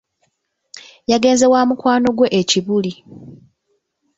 yagenze wa mukwano gwe e Kibuli.